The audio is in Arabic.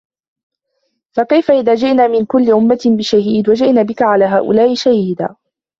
فَكَيْفَ إِذَا جِئْنَا مِنْ كُلِّ أُمَّةٍ بِشَهِيدٍ وَجِئْنَا بِكَ عَلَى هَؤُلَاءِ شَهِيدًا